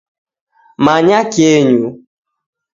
Manya kenyu